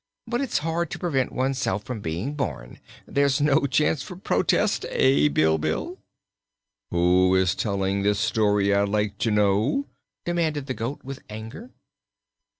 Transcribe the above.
"But it's hard to prevent oneself from being born; there's no chance for protest, eh, Bilbil?" "Who is telling this story, I'd like to know," demanded the goat, with anger.